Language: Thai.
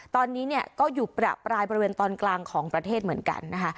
ตอนนี้เนี่ยก็อยู่ประปรายบริเวณตอนกลางของประเทศเหมือนกันนะคะ